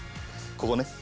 ここね。